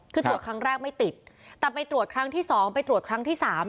คือตรวจครั้งแรกไม่ติดแต่ไปตรวจครั้งที่๒ไปตรวจครั้งที่๓